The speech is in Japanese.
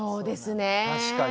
確かに。